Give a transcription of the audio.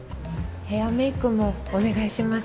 ヘアメイクもお願いします。